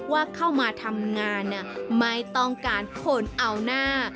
ว่าเข้ามาทำงานไม่ต้องการคนเอาหน้า